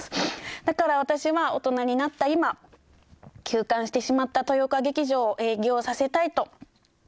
だから私は大人になった今休館してしまった豊岡劇場を営業させたいと強く思いました。